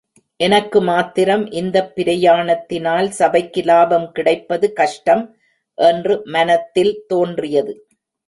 எனக்கு மாத்திரம் இந்தப் பிரயாணத்தினால் சபைக்கு லாபம் கிடைப்பது கஷ்டம் என்று மனத்தில் தோன்றியது.